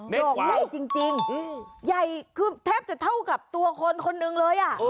เมตรกว่าจริงใหญ่คือแทบจะเท่ากับตัวคนคนนึงเลย